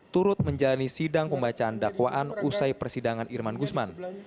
turut menjalani sidang pembacaan dakwaan usai persidangan irman gusman